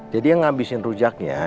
jadi yang ngabisin rujaknya